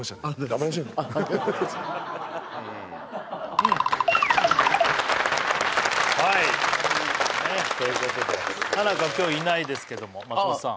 頑張りましょうねはいということでハナコは今日いないですけども松本さん